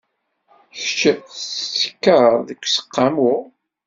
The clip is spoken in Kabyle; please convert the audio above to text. Kecc tettekkad deg useqqamu?